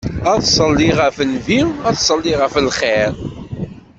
Ad ṣelliɣ ɣef Nnbi, ad ṣelliɣ ɣef lxir.